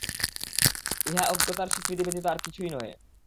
ইহা অজ্ঞতার স্বীকৃতি ব্যতীত আর কিছুই নহে।